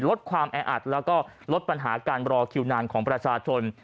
ลดความแออัดแล้วก็ลดปัญหาการรอคิวนานของประชาชน